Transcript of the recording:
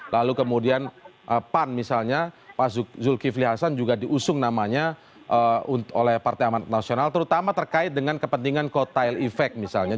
lalu kemudian pan misalnya pak zulkifli hasan juga diusung namanya oleh partai amanat nasional terutama terkait dengan kepentingan kotail efek misalnya